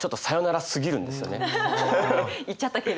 言っちゃったけれども。